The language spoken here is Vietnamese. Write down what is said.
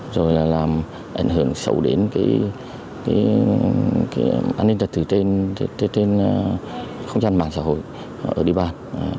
rồi là làm ảnh hưởng sâu đến cái an ninh trật tự trên không gian mạng xã hội ở địa bàn